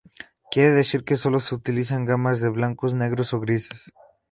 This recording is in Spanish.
Quiere decir que sólo se utilizan gamas de blancos, negros o grises.